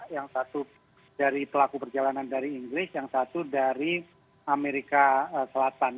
yang satu dari pelaku perjalanan dari inggris yang satu dari amerika selatan